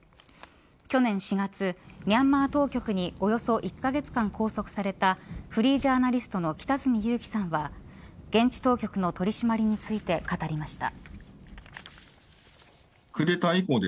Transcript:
去年４月ミャンマー当局におよそ１カ月間、拘束されたフリージャーナリストの北角裕樹さんは現地当局の取り締まりについて語りました。